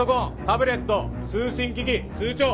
タブレット通信機器通帳